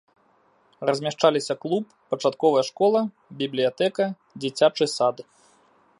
Размяшчаліся клуб, пачатковая школа, бібліятэка, дзіцячы сад.